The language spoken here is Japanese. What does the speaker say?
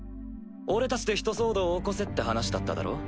俺たちでひと騒動起こせって話だっただろ？